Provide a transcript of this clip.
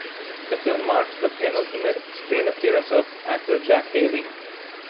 The film marked the penultimate screen appearance of actor Jack Haley.